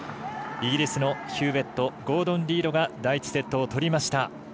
イギリスのヒューウェットゴードン・リードが第１セットを取りました。